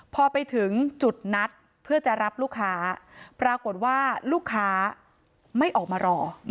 พอไปถึงจุดนัดเพื่อจะรับลูกค้าปรากฏว่าลูกค้าไม่ออกมารอ